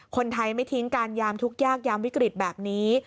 คนไทยไม่ทิ้งการยามทุกข์ยากยามวิกฤตแบบนี้